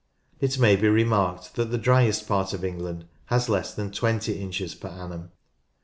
It may be remarked that the driest part of England has less than 20 inches per annum.